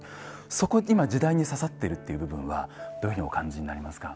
そこ今時代に刺さっているっていう部分はどういうふうにお感じになりますか？